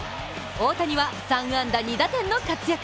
大谷は３安打２打点の活躍。